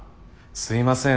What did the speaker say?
すいません